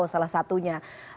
kalau salah satunya